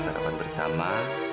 berkumpul dengan kamu